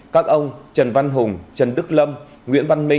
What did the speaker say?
các ông trần văn hùng trần đức lâm nguyễn văn minh